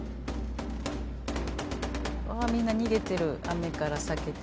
あみんな逃げてる雨から避けて。